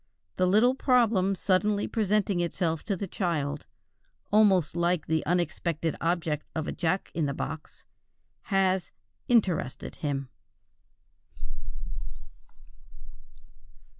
The little problem suddenly presenting itself to the child, almost like the unexpected object of a jack in the box, has "interested" him.